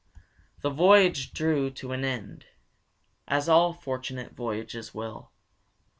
The voyage drew to an end, as all fortunate voyages will.